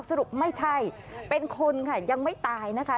สรุปไม่ใช่เป็นคนค่ะยังไม่ตายนะคะ